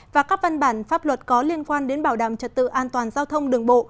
và các văn bản pháp luật có liên quan đến bảo đảm trật tự an toàn giao thông đường bộ